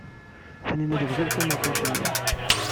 Tanina tegzem ṭumaṭic-nni.